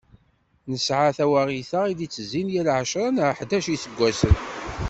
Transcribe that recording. Nesεa tawaɣit-a i d-itezzin yal ɛecṛa neɣ ḥdac n yiseggasen.